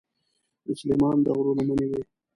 د سلیمان د غرو لمنې وې.